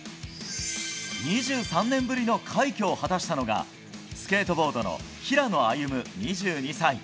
２３年ぶりの快挙を果たしたのがスケートボードの平野歩夢、２２歳。